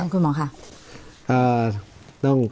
คุณหมอค่ะ